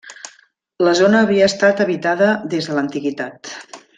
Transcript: La zona havia estat habitada des de l'antiguitat.